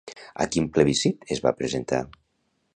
A quin plebiscit es va presentar?